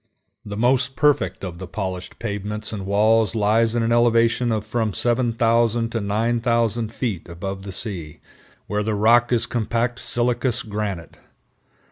The most perfect of the polished pavements and walls lie at an elevation of from 7000 to 9000 feet above the sea, where the rock is compact silicious granite.